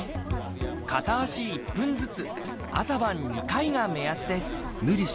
片足１分ずつ朝晩２回が目安です